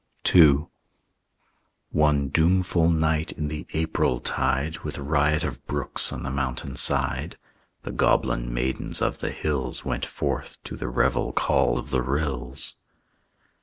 II One doomful night in the April tide With riot of brooks on the mountain side, The goblin maidens of the hills Went forth to the revel call of the rills.